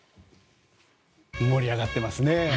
盛り上がってますね。